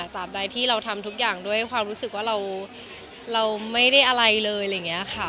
ตามใดที่เราทำทุกอย่างด้วยความรู้สึกว่าเราไม่ได้อะไรเลย